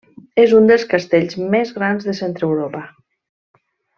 És un dels castells més grans de Centreeuropa.